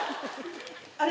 あれ？